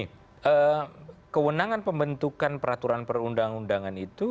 begini kewenangan pembentukan peraturan perundangan undangan itu